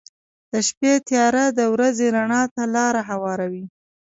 • د شپې تیاره د ورځې رڼا ته لاره هواروي.